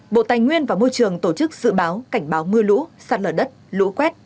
bộ tài nguyên và môi trường tổ chức dự báo cảnh báo mưa lũ sạt lở đất lũ quét